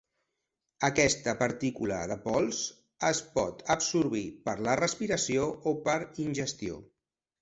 Aquesta partícula de pols es pot absorbir per la respiració o per ingestió.